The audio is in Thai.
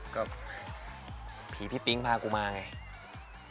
ก็ผีพี่ปิ๊งพากูมาไง